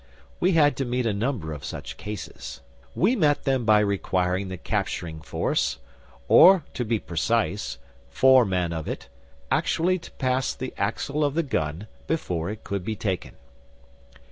We had to meet a number of such cases. We met them by requiring the capturing force or, to be precise, four men of it actually to pass the axle of the gun before it could be taken.